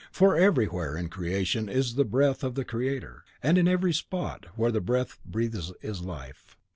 For everywhere in creation is the breath of the Creator, and in every spot where the breath breathes is life!